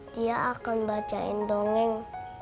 dia akan bacain dongeng